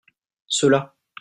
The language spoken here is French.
ceux-là.